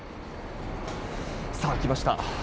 さあ、来ました。